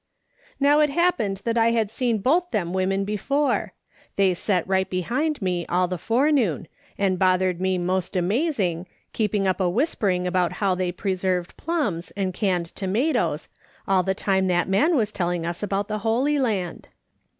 " Now it liappened that I had seen both them women before. They set right behind me all the forenoon, and bothered me most amazing, keeping up a whispering about how they preserved plums, and canned tomatoes, all the time that man wai telling us about the Holy Land.